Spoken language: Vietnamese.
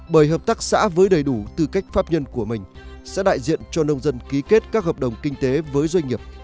bởi hợp tác xã với đầy đủ tư cách pháp nhân của mình sẽ đại diện cho nông dân ký kết các hợp đồng kinh tế với doanh nghiệp